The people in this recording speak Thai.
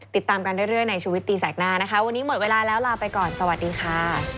ติดตามกันเรื่อยในชีวิตตีแสกหน้านะคะวันนี้หมดเวลาแล้วลาไปก่อนสวัสดีค่ะ